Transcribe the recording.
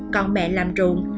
còn mẹ làm ruộng